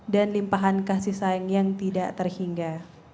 dan limpahan kasih sayang yang tidak terhingga